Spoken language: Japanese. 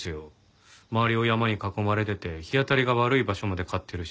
周りを山に囲まれてて日当たりが悪い場所まで買ってるし。